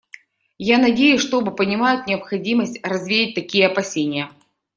Я надеюсь, что оба понимают необходимость развеять такие опасения.